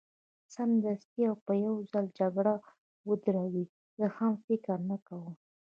سمدستي او په یو ځل جګړه ودروي، زه هم فکر نه کوم.